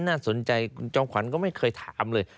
น่าสนใจคุณจอมขวัญก็ไม่เคยถามเลย